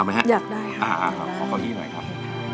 สบายกว่ามากครับขอบคุณครับยินดีค่ะยินดีครับ